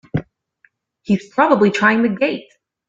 He's probably trying the gate!